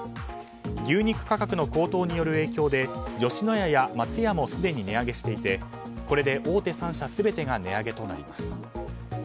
牛肉価格の高騰による影響で吉野家や松屋もすでに値上げしていてこれで大手３社全てが値上げとなります。